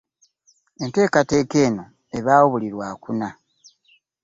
Enteekateeka eno ebaawo buli Lwakuna